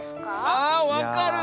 あわかる！